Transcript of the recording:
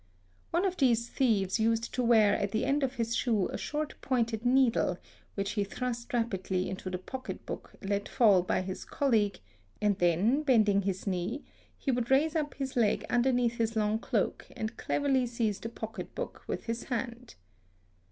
One of these thieves used to wear at the end of his shoe a short pointed needle, which he thrust rapidly into the pocket book let fall by his colleague and then, bending his knee, he would raise up his leg under neath his long cloak and cleverly seize the pocket book with his hand.